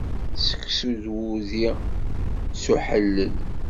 Sseksu d wudi, s uḥellel!